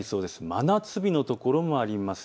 真夏日の所もあります。